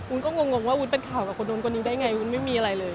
ก็งงว่าวุ้นเป็นข่าวกับคนนู้นคนนี้ได้ไงวุ้นไม่มีอะไรเลย